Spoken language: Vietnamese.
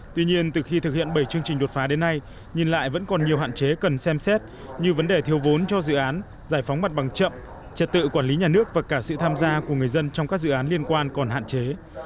tuy nhiên từ khi thực hiện bảy chương trình đột phá đến nay nhìn lại vẫn còn nhiều hạn chế cần xem xét như vấn đề thiếu vốn cho dự án giải phóng mặt bằng chậm trật tự quản lý nhà nước và cả sự tham gia của người dân trong các dự án liên quan còn hạn chế